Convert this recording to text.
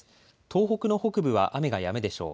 東北の北部は雨がやむでしょう。